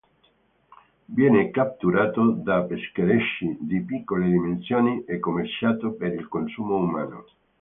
Viene catturato da pescherecci di piccole dimensioni e commerciato per il consumo umano.